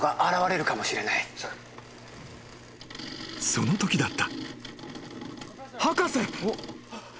［そのときだった］